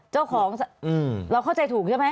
เจ้าของเราเข้าใจถูกใช่ไหม